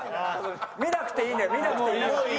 見なくていいのよ見なくていい。